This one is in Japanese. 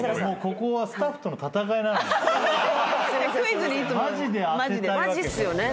もうここはスタッフとの戦いなのよ。